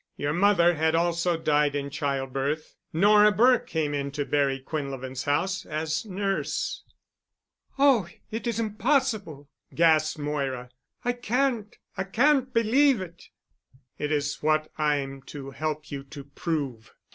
Your mother had also died in childbirth. Nora Burke came into Barry Quinlevin's house as nurse." "Oh, it is impossible!" gasped Moira. "I can't—I can't believe it." "It is what I'm to help you to prove."